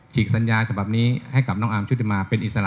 ฉีกสัญญาจับปรับนี้ให้กับน้องอาร์มชู่ดินมาร์เป็นอิสระ๑๐๐